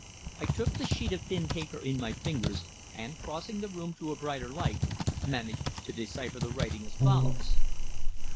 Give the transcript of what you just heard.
I took the sheet of thin paper in my fingers, and, crossing the room to a brighter light, managed to decipher the writing as follows